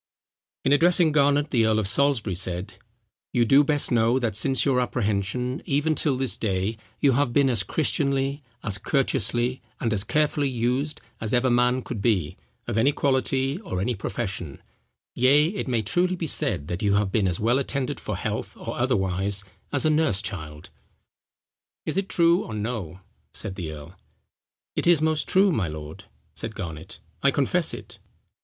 In addressing Garnet, the earl of Salisbury said: "You do best know that since your apprehension, even till this day, you have been as Christianly, as courteously, and as carefully used, as ever man could be, of any quality, or any profession; yea, it may truly be said, that you have been as well attended for health or otherwise, as a nurse child. Is it true or no?" said the earl. "It is most true, my lord," said Garnet, "I confess it."